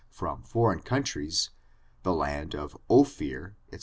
147 from foreign countries, the land of Ophir, &c.